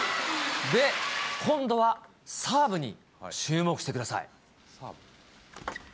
で、今度はサーブに注目してください。